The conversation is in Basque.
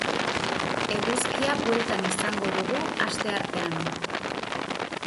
Eguzkia bueltan izango dugu asteartean.